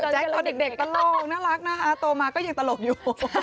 ตอนเด็กตลกน่ารักนะคะโตมาก็ยังตลกอยู่